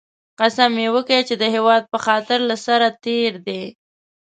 قسم یې وکی چې د هېواد په خاطر له سره تېر دی